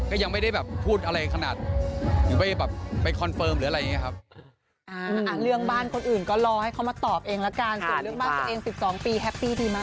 ก็ยังไม่ได้แบบพูดอะไรขนาดหรือไปแบบไปคอนเฟิร์มหรืออะไรอย่างนี้ครับ